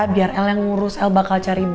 biar el yang ngurus el bakal cari ibu